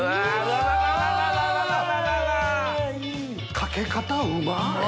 かけ方うまっ！